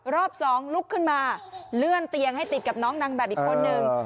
รอบสองลุกขึ้นมาเลื่อนเตียงให้ติดกับน้องนางแบบอีกคนนึง